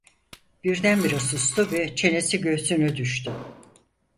Birdenbire sustu ve çenesi göğsüne düştü.